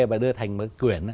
và đưa thành một quyển